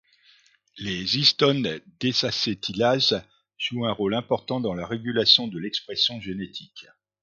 Les histone désacétylases jouent un rôle important dans la régulation de l'expression génétique.